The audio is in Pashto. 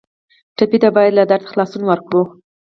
ټپي ته باید له درده خلاصون ورکړو.